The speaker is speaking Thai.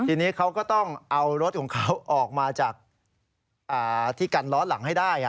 ทีนี้เขาก็ต้องเอารถของเขาออกมาจากที่กันล้อหลังให้ได้